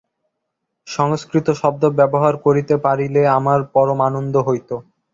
সংস্কৃত শব্দ ব্যবহার করিতে পারিলে আমার পরম আনন্দ হইত।